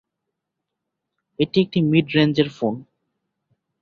এটি একটি মিড-রেঞ্জের ফোন।